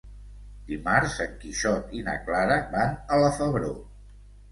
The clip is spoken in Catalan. Dimarts en Quixot i na Clara van a la Febró.